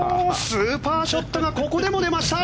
スーパーショットがここでも出ました！